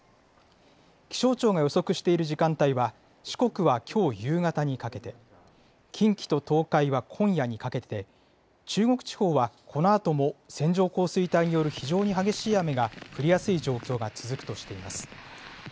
気象庁が予測している時間帯は、四国はきょう夕方にかけて、近畿と東海は今夜にかけて、中国地方は、このあとも線状降水帯による非常に激しい雨が降りやすい状況が続くとしています。